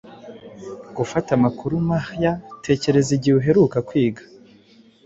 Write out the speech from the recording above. gufata amakuru mahya Tekereza igihe uheruka kwiga